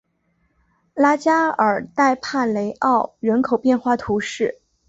拉加尔代帕雷奥人口变化图示